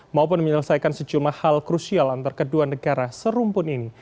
maupun menyelesaikan sejumlah hal krusial antar kedua negara serumpun ini